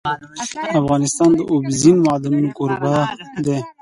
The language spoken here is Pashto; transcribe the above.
افغانستان د اوبزین معدنونه کوربه دی.